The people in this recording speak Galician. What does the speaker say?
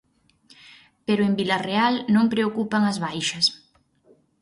Pero en Vilarreal non preocupan as baixas.